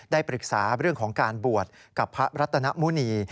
ได้ปรึกษาเรื่องของการบวชกับพระรัตนมุณี